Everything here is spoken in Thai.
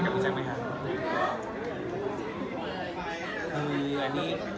เดินมาแหละพูดสุดท้ายกับแจนไว้หา